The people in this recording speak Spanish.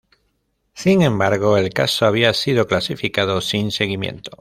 Sin embargo, el caso había sido clasificado sin seguimiento.